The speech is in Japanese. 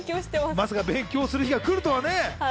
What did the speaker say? まさか勉強する日がくるとはね。